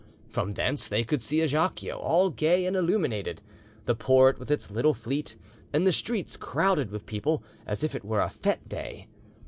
From thence they could see Ajaccio all gay and illuminated, the port with its little fleet, and the streets crowded with people, as if it were a fete day.